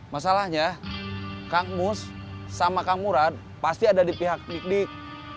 masalahnya kang mus sama kang murad pasti ada di pihak dik dik